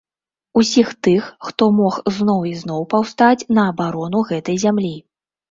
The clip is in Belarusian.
Усіх тых, хто мог зноў і зноў паўстаць на абарону гэтай зямлі.